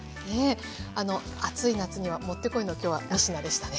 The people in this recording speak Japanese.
暑い夏にはもってこいの今日は３品でしたね。